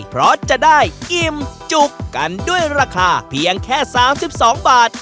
เพราะจะได้อิ่มจุกกันด้วยราคาเพียงแค่๓๒บาท